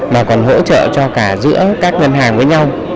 mà còn hỗ trợ cho cả giữa các ngân hàng với nhau